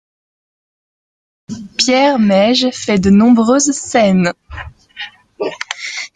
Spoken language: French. Pierre Meige fait de nombreuses scènes.